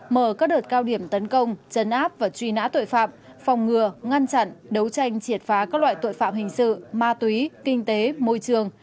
mở các đợt cao điểm tấn công chấn áp và truy nã tội phạm phòng ngừa ngăn chặn đấu tranh triệt phá các loại tội phạm hình sự ma túy kinh tế môi trường